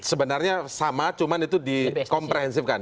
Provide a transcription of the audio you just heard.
sebenarnya sama cuman itu di komprehensifkan